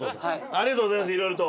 ありがとうございますいろいろと。